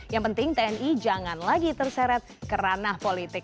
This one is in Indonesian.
yang penting tni jangan lagi terseret kerana politik